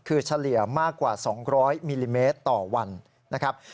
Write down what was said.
คือเฉลี่ยมากกว่า๒๐๐มิลลิเมตรต่อวันนะครับ